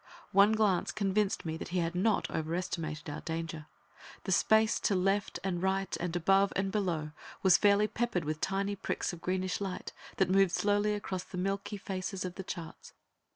One glance convinced me that he had not overestimated our danger. The space to right and left, and above and below, was fairly peppered with tiny pricks of greenish light that moved slowly across the milky faces of the charts.